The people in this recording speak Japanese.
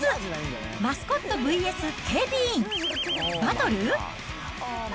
マスコットＶＳ警備員×××バトル？